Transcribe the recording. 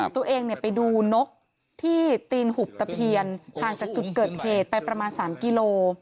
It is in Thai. ตัวเองไปดูนกที่ตีนหุบตะเพียนห่างจากจุดเกิดเหตุไปประมาณ๓กิโล